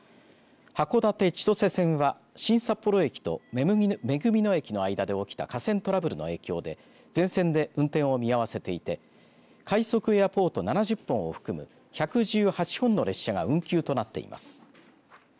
函館・千歳線は新札幌駅と恵み野駅の間で起きた架線トラブルの影響で全線で運転を見合わせていて快速エアポート７０本を含む１１８本の列車が運休となっています。